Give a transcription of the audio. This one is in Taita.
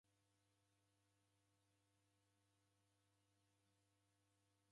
Orew'adwa kiw'achenyi cha ndege.